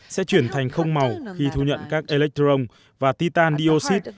sẽ chuyển thành không màu khi thu nhận các electron và titan dioxid